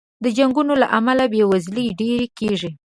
د جنګونو له امله بې وزلي ډېره کېږي.